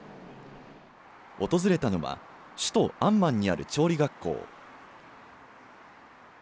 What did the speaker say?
訪れたのは首都アンマンにある調理学校。